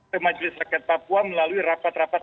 ke majelis rakyat papua melalui rapat rapat